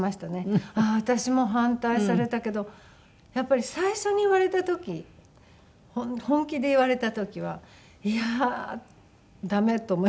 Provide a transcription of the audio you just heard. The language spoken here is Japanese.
ああ私も反対されたけどやっぱり最初に言われた時本気で言われた時はいやあダメ！と思いました。